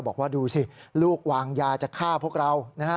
บอกว่าดูสิลูกวางยาจะฆ่าพวกเรานะฮะ